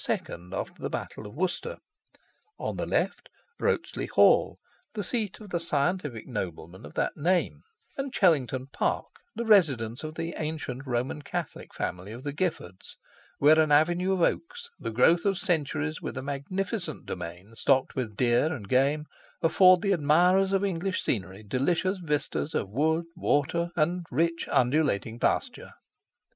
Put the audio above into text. after the Battle of Worcester, on the left, Wrottesley Hall, the seat of the scientific nobleman of that name, and Chellington Park, the residence of the ancient Roman Catholic family of the Giffords, where an avenue of oaks, the growth of centuries, with a magnificent domain stocked with deer and game, afford the admirers of English scenery delicious vistas of wood, water, and rich undulating pasture.